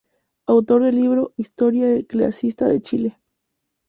Autor del libro "Historia Eclesiástica de Chile.